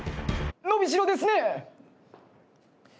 伸びしろですね！